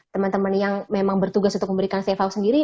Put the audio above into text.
teman teman yang memang bertugas untuk memberikan safe house sendiri